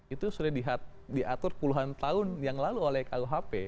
itu sudah diatur puluhan tahun yang lalu oleh kuhp